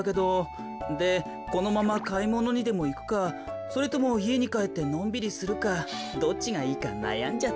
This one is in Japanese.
でこのままかいものにでもいくかそれともいえにかえってのんびりするかどっちがいいかなやんじゃって。